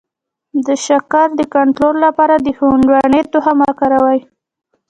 د شکر د کنټرول لپاره د هندواڼې تخم وکاروئ